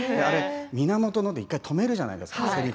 源の、って１回せりふを止めるじゃないですか